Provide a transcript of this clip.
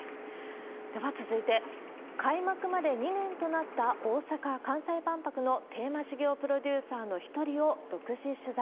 では続いて、開幕まで２年となった、大阪・関西万博のテーマ事業プロデューサーの１人を独自取材。